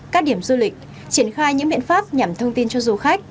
các điểm du lịch triển khai những biện pháp nhằm thông tin cho du khách